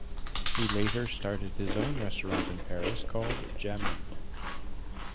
He later started his own restaurant in Paris called "Jamin".